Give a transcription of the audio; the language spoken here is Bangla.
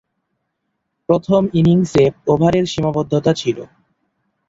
প্রথম ইনিংসে ওভারের সীমাবদ্ধতা ছিল।